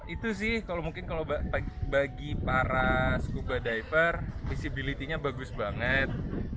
itu sih mungkin kalau bagi para skuba diver visibility nya bagus banget